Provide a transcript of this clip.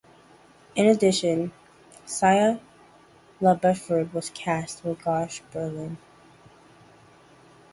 In addition, Shia LaBeouf was cast, with Josh Brolin.